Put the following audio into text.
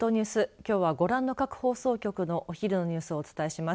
きょうはご覧の各放送局のお昼ニュースをお伝えします。